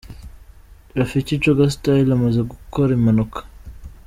Rafiki Coga Style amaze gukora impanuka.